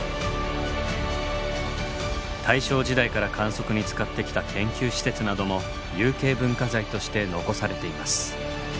大正時代から観測に使ってきた研究施設なども有形文化財として残されています。